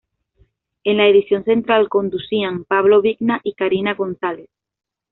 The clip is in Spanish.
En la edición central conducían Pablo Vigna y Karina González.